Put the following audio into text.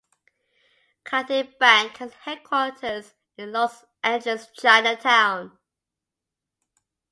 Cathay Bank has its headquarters in the Los Angeles Chinatown.